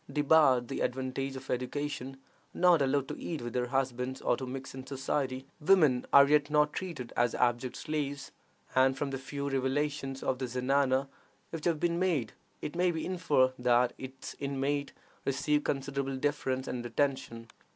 Debarred the advantages of education, not allowed to eat with their husbands or to mix in society, women are yet not treated as abject slaves; and from the few revelations of the zenana which have been made, it may be inferred that its inmates receive considerable deference and attention.